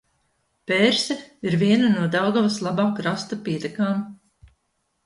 Pērse ir viena no Daugavas labā krasta pietekām.